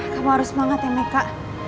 kamu harus semangat ya meka